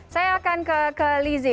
saya akan ke lizy